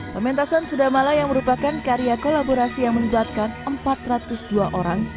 pementasan sudamala yang merupakan karya kolaborasi yang menulatkan empat ratus dua orang